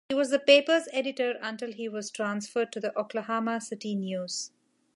He was the paper's editor until he was transferred to the "Oklahoma City News".